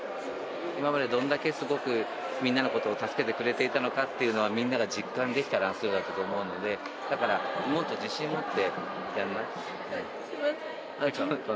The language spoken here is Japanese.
今までどんだけすごく、みんなのことを助けてくれていたのかっていうのは、みんなが実感できたランスルーだったと思うので、だから、はい、すみません。